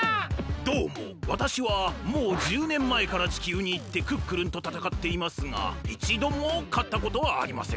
どうもわたしはもう１０年前から地球にいってクックルンとたたかっていますがいちどもかったことはありません。